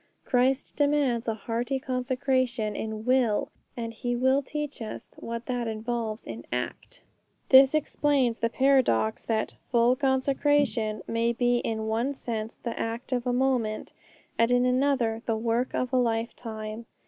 Christ demands a hearty consecration in will, and He will teach us what that involves in act.' This explains the paradox that 'full consecration' may be in one sense the act of a moment, and in another the work of a lifetime.